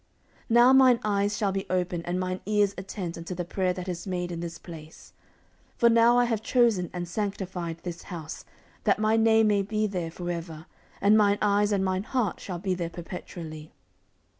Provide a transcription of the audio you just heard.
14:007:015 Now mine eyes shall be open, and mine ears attent unto the prayer that is made in this place. 14:007:016 For now have I chosen and sanctified this house, that my name may be there for ever: and mine eyes and mine heart shall be there perpetually.